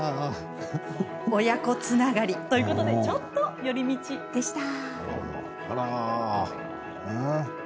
親子つながりということでちょっと寄り道でした。